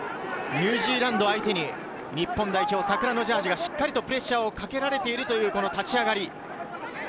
ニュージーランドは相手に日本代表、桜のジャージーがしっかりプレッシャーをかけているという立ち上がり。